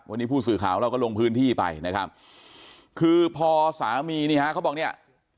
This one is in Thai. วันนี้ผู้สื่อข่าวเราก็ลงพื้นที่ไปนะครับคือพอสามีนี่ฮะเขาบอกเนี่ย